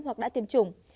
hoặc đã tiêm chủng